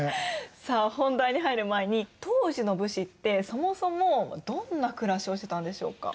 さあ本題に入る前に当時の武士ってそもそもどんな暮らしをしてたんでしょうか？